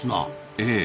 ええ。